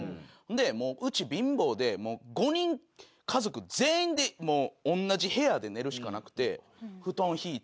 でもううち貧乏で５人家族全員で同じ部屋で寝るしかなくて布団敷いて。